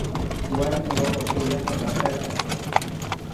Warmi wawa shikrata paskarka